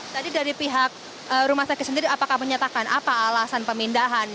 jadi dari pihak rumah sakit sendiri apakah menyatakan apa alasan pemindahan